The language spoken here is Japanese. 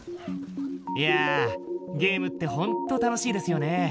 いやゲームってほんと楽しいですよね。